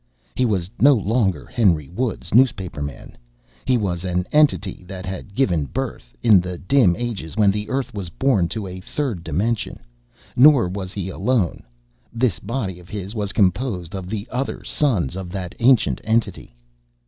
He was no longer Henry Woods, newspaperman; he was an entity that had given birth, in the dim ages when the Earth was born, to a third dimension. Nor was he alone. This body of his was composed of other sons of that ancient entity.